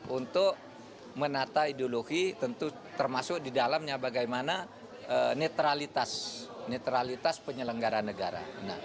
untuk menata ideologi tentu termasuk di dalamnya bagaimana netralitas penyelenggara negara